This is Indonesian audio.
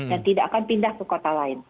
dan tidak akan pindah ke kota lain